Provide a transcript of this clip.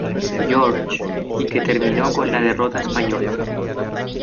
George y que terminó con la derrota española.